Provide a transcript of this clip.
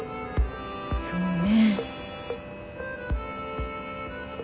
そうね。